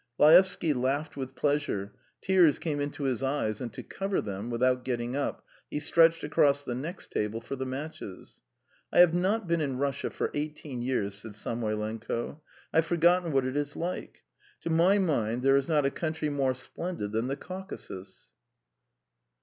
..." Laevsky laughed with pleasure; tears came into his eyes, and to cover them, without getting up, he stretched across the next table for the matches. "I have not been in Russia for eighteen years," said Samoylenko. "I've forgotten what it is like. To my mind, there is not a country more splendid than the Caucasus."